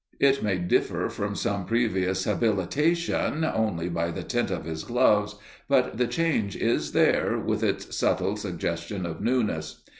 It may differ from some previous habilitation only by the tint of his gloves, but the change is there with its subtile suggestion of newness.